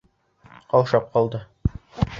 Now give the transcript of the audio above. Ҡаушап ҡалды.